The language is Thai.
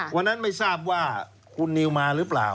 วันนั้นไม่ทราบว่าคุณนิวมาหรือเปล่า